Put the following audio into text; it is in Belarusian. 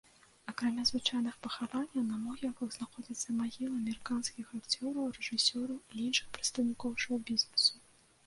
Акрамя звычайных пахаванняў на могілках знаходзяцца магілы амерыканскіх акцёраў, рэжысёраў і іншых прадстаўнікоў шоу-бізнесу.